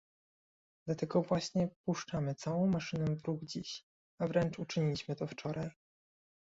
Dlatego właśnie puszczamy całą maszynę w ruch dziś, a wręcz uczyniliśmy to wczoraj